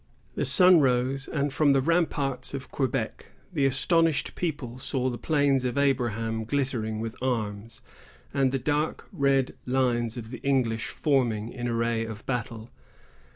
The sun rose, and, from the ramparts of Quebec, the astonished people saw the Plains of Abraham glittering with arms, and the dark red lines of the English forming in array of battle.